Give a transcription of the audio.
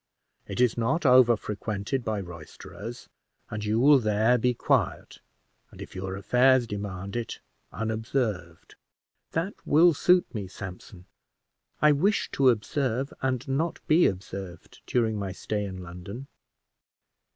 It is not over frequented by roisterers, and you will there be quiet, and, if your affairs demand it, unobserved." "That will suit me, Sampson: I wish to observe and not be observed, during my stay in London."